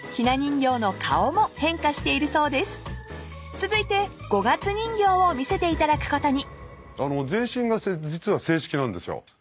［続いて五月人形を見せていただくことに］